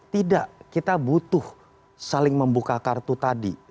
tidak kita butuh saling membuka kartu tadi